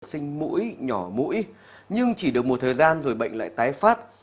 sinh mũi nhỏ mũi nhưng chỉ được một thời gian rồi bệnh lại tái phát